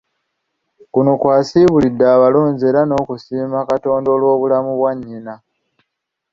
Kuno kw'asiibulidde abalonzi era n'okusiima Katonda olw'obulamu bwa Nnyina